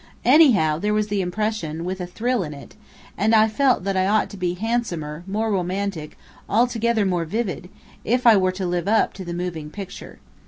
Anyhow, there was the impression, with a thrill in it; and I felt that I ought to be handsomer, more romantic, altogether more vivid, if I were to live up to the moving picture.